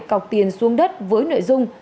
cọc tiền xuống đất với nội dung